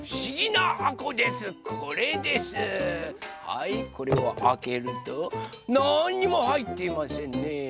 はいこれをあけるとなんにもはいっていませんね。